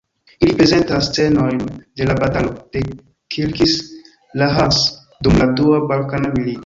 Ili prezentas scenojn de la Batalo de Kilkis-Lahanas dum la Dua Balkana Milito.